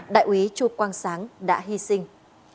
đại úy chu quang sáng đã hy sinh